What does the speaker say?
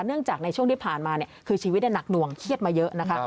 เนื่องจากในช่วงที่ผ่านมาคือชีวิตหนักหน่วงเครียดมาเยอะนะคะ